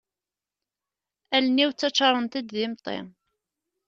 Allen-iw ttaččarent-d d immeṭṭi.